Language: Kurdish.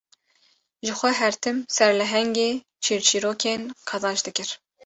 Jixwe her tim serlehengê çîrçîrokên qezenç dikir